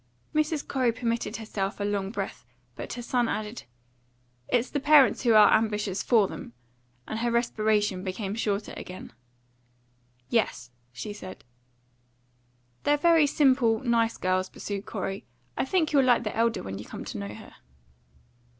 Mrs. Corey permitted herself a long breath. But her son added, "It's the parents who are ambitious for them," and her respiration became shorter again. "Yes," she said. "They're very simple, nice girls," pursued Corey. "I think you'll like the elder, when you come to know her."